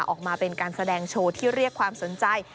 ออกมาเป็นการแสดงโชว์ที่เรียกความสนใจ